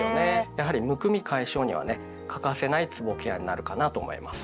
やはりむくみ解消にはね欠かせないつぼケアになるかなと思います。